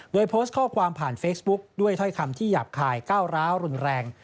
โดยโพสต์ข้อความผ่านเฟซบุ๊กด้วยถ้อยคำที่หยาบคายก้าวร้าวรุนแรง